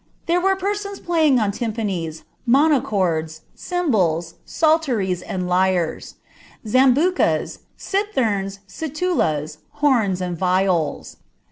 There were persona playing on tympanies, maw chords, cymbals, psalteries, and lyres ; zainburas, citherns, situlas, horu, and viols.